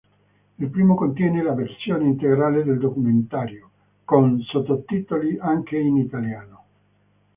Il primo contiene la versione integrale del documentario, con sottotitoli anche in italiano.